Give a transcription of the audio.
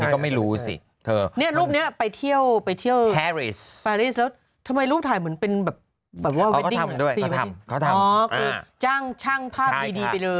อ๋อคือชั่งผ้าพี่ดีไปเลย